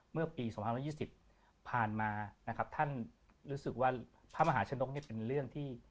เมื่อปี๒๐๒๐ผ่านมานะครับท่านรู้สึกว่าพระมหาชนกนี่เป็นเรื่องที่